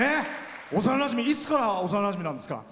幼なじみ、いつから幼なじみなんですか？